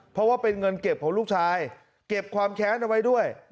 เพราะว่าเป็นเงินเก็บของลูกชายเก็บความแค้นเอาไว้ด้วย